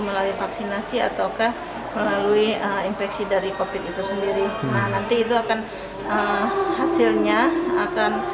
melalui vaksinasi ataukah melalui infeksi dari kopi itu sendiri nah nanti itu akan hasilnya akan